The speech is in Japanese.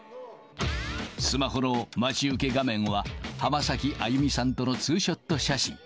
スマホの待ち受け画面は、浜崎あゆみさんとのツーショット写真。